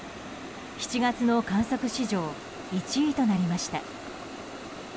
７月の観測史上１位となりました。